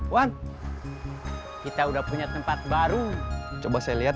wan kita udah punya tempat baru coba saya lihat